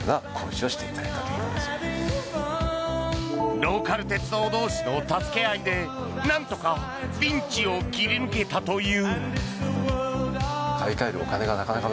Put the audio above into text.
ローカル鉄道同士の助け合いでなんとかピンチを切り抜けたという。